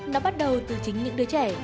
nó bắt đầu từ chính những đứa trẻ